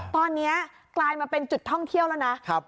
ตอนนี้กลายมาเป็นจุดท่องเที่ยวแล้วนะ